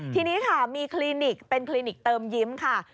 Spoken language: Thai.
ทีนี้ค่ะมีคลินิกเป็นคลินิกเติมยิ้มค่ะ